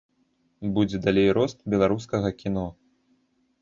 Будзе далей рост беларускага кіно.